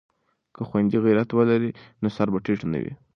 که خویندې غیرت ولري نو سر به ټیټ نه وي.